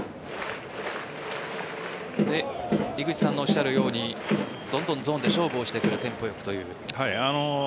井口さんがおっしゃるようにどんどんゾーンで勝負をしてくるテンポ良くという。